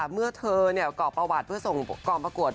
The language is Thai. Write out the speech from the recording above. เมื่อเธอกรอกประวัติเพื่อส่งกองประกวด